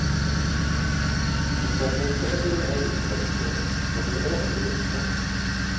Nkomnkǒm mbéʼ pí nᾱʼ nzhʉʼ mbα mbαα mα mēnwú akolǒʼ ntám.